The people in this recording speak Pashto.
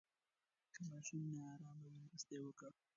که ماشوم نا آرامه وي، مرسته یې وکړئ.